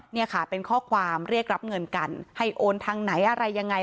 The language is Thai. เนี่ยค่ะเป็นข้อความเรียกรับเงินกันให้โอนทางไหนอะไรยังไง